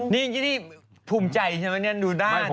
นี่พุ่มใจใช่ไหมเนี่ยดูหน้าดิ